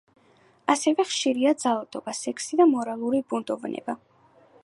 ასევე, ხშირია ძალადობა, სექსი და მორალური ბუნდოვანება.